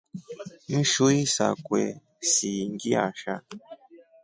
Nshui sakwe sii ngiasha.